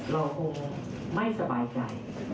เราคงไม่สบายใจ